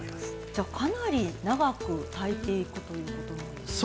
じゃあかなり長く炊いていくということなんですね。